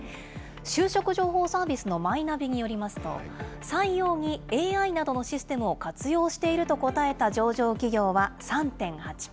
就職情報サービスのマイナビによりますと、採用にＡＩなどのシステムを活用していると答えた上場企業は３．８％。